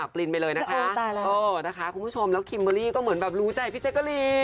ฟินมากนะคะซึ่งสาวกิลม่าเขารู้ใจก